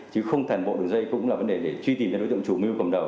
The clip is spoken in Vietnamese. chứ không thành bộ đường dây cũng là vấn đề để truy tìm đối tượng chủ mưu cầm đầu